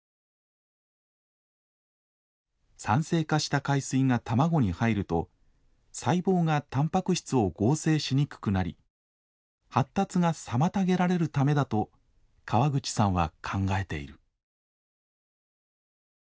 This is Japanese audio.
酸性化した海水が卵に入ると細胞がたんぱく質を合成しにくくなり発達が妨げられるためだと川口さんは考えている。